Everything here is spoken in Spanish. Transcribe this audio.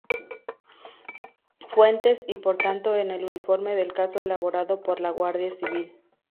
Fuentes, y por tanto en el informe del caso elaborado por la Guardia Civil.